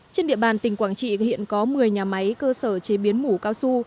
trên địa bàn tỉnh quảng trị hiện có một mươi nhà máy cơ sở chế biến mủ cao su